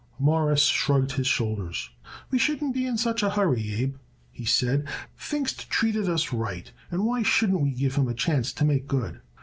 Morris shrugged his shoulders. "We shouldn't be in such a hurry, Abe," he said. "Pfingst treated us right, and why shouldn't we give him a chance to make good?"